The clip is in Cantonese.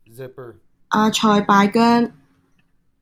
阿塞拜疆